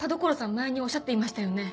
前におっしゃっていましたよね。